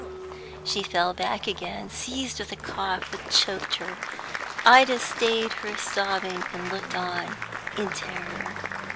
She fell back again, seized with a cough which choked her. Ida stayed her sobbing, and looked on in terror.